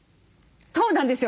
そうなんですよ。